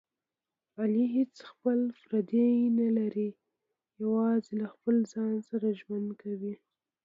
علي هېڅ خپل پردی نه لري، یوازې له خپل ځان سره ژوند کوي.